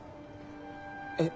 えっ？